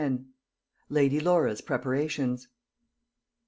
LADY LAURA'S PREPARATIONS.